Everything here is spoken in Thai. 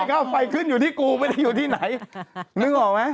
ค่าไฟขึ้นอยู่ที่กูไม่ได้อยู่ที่ไหนนึกออกไหม